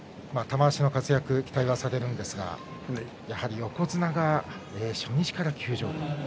玉鷲の活躍期待されるんですがやはり横綱が初日から休場。